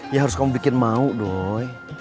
ya harus kamu bikin mau dong